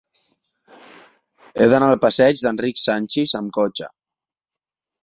He d'anar al passeig d'Enric Sanchis amb cotxe.